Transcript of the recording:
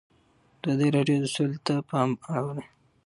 ازادي راډیو د سوله ته پام اړولی.